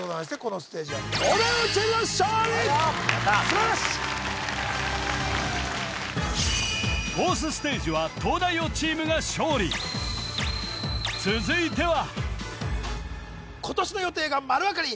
素晴らしいフォースステージは東大王チームが勝利続いては今年の予定が丸わかり！